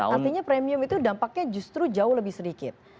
artinya premium itu dampaknya justru jauh lebih sedikit